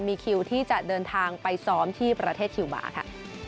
มีคิวที่จะเดินทางไปซ้อมที่ประเทศคิวบาร์ค่ะ